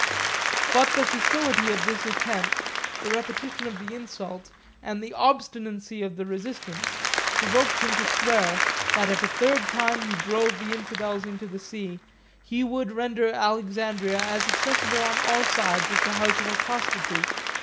But the facility of the attempt, the repetition of the insult, and the obstinacy of the resistance, provoked him to swear, that if a third time he drove the infidels into the sea, he would render Alexandria as accessible on all sides as the house of a prostitute.